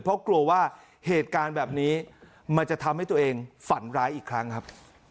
เพราะกลัวว่าเหตุการณ์แบบนี้มันจะทำให้ตัวเองฝันร้ายอีกครั้งครับ